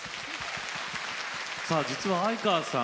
さあ実は相川さん